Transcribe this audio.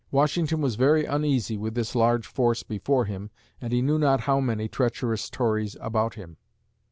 Washington was very uneasy with this large force before him and he knew not how many treacherous Tories about him.